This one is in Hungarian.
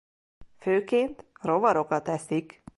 Főként rovarokat eszik.